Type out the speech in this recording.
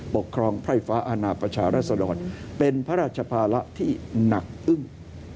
ปกครองไพร่ฟ้าอาณาประชารัศดรเป็นพระราชภาระที่หนักอึ้ง